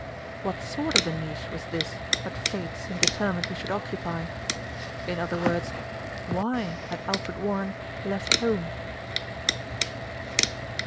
What sort of a niche was this that fate seemed deter mined he should occupy? In other words, why had Alfred Warren left home?